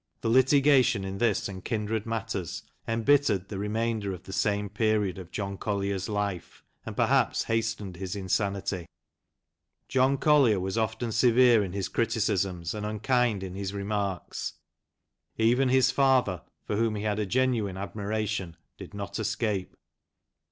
The litigation in this and kindred matters embittered the remainder of the sane period of John Collier's life, and perhaps hastened his insanity. John Collier was often severe in his criticisms, and unkind in his remarks. Even his father, for whom he had a genuine admiration, did not escape.